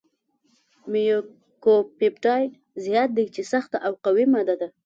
میوکوپپټایډ زیات دی چې سخته او قوي ماده ده.